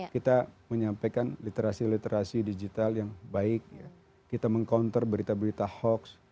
kita menyampaikan literasi literasi digital yang baik kita meng counter berita berita hoax